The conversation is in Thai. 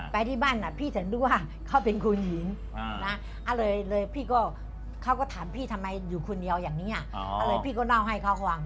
ไปที่บ้านพี่ถึงรู้ว่าเขาเป็นคุณหญิง